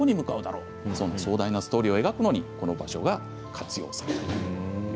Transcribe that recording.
壮大なスケールを描くのにこの場所が活用されました。